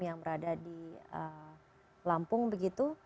yang berada di lampung begitu